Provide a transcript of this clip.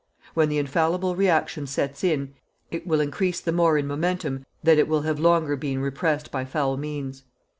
When the infallible reaction sets in, it will increase the more in momentum that it will have been longer repressed by foul means.